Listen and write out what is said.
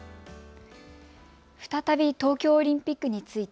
再び東京オリンピックについて。